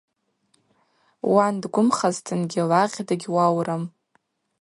Уан дгвымхазтынгьи лагъь дыгьуаурым.